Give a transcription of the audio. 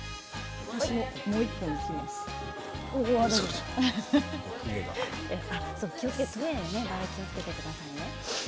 トゲに気をつけてくださいね。